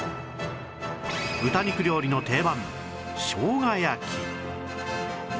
豚肉料理の定番しょうが焼き